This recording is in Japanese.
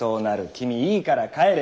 君いいから帰れ。